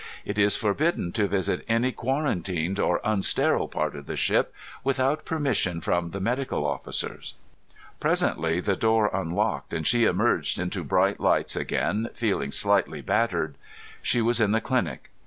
It is forbidden to visit any quarantined or unsterile part of the ship without permission from the medical officers." Presently the door unlocked and she emerged into bright lights again, feeling slightly battered. She was in the clinic.